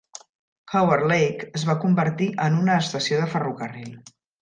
Howard Lake es va convertir en una estació de ferrocarril.